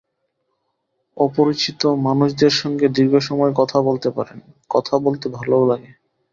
অপরিচিত মানুষদের সঙ্গে দীর্ঘ সময় কথা বলতে পারেন, কথা বলতে ভালোও লাগে।